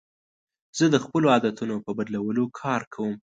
زه د خپلو عادتونو په بدلولو کار کوم.